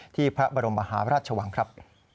ที่พระบรมฮาราชวังครับ